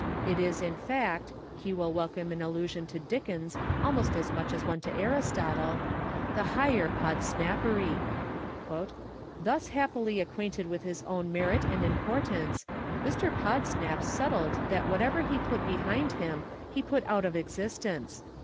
It is in fact (he will welcome an allusion to Dickens almost as much as one to Aristotle) the higher Podsnappery. "Thus happily acquainted with his own merit and importance, Mr. Podsnap settled that whatever he put behind him he put out of existence....